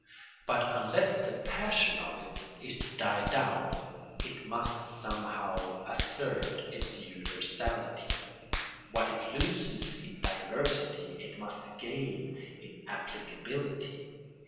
But unless the passion of it is to die down, it must somehow assert its universality: what it loses in diversity it must gain in applicability.